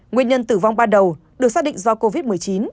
nguyên nhân tử vong ban đầu được xác định do covid một mươi chín